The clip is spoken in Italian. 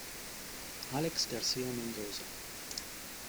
Alex Garcia Mendoza